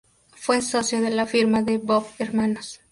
Fue socio de la firma "De Bove Hnos.